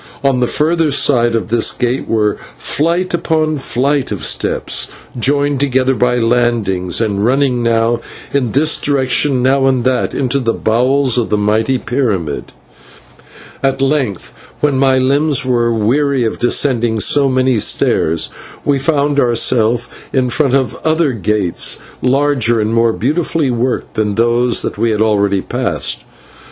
On the further side of this gate were flight upon flight of steps, joined together by landings, and running, now in this direction now in that, into the bowels of the mighty pyramid. At length, when my limbs were weary of descending so many stairs, we found ourselves in front of other gates, larger and more beautifully worked than those that we had already passed.